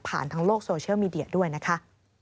ทางโลกโซเชียลมีเดียด้วยนะคะ